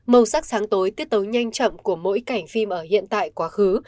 màu sắc sáng tối tiết tấu nhanh chậm của mỗi cảnh phim ở hiện tại quá khứ